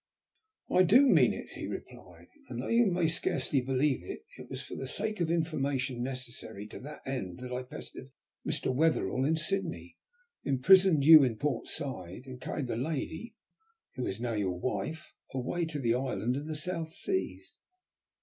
"I do mean it," he replied. "And though you may scarcely believe it, it was for the sake of the information necessary to that end that I pestered Mr. Wetherall in Sydney, imprisoned you in Port Said, and carried the lady, who is now your wife, away to the island in the South Seas."